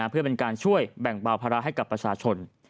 เพื่อเป็นการช่วยแบ่งเบาภาระให้กับประชาชน